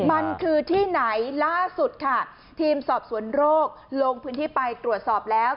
มันคือที่ไหนล่าสุดค่ะทีมสอบสวนโรคลงพื้นที่ไปตรวจสอบแล้ว